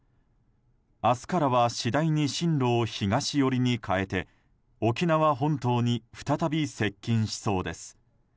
明日からは次第に進路を東寄りに変えて沖縄本島に再び接近しそうです。